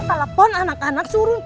telepon anak anak suruh